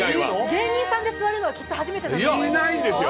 芸人さんで座るのは初めてだと思います。